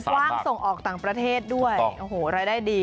มันกว้างส่งฐานประเทศด้วยรายได้ดี